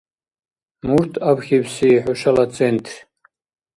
Мурт абхьибси хӀушала Центр?